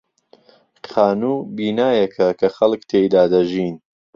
خانوو بینایەکە کە خەڵک تێیدا دەژین.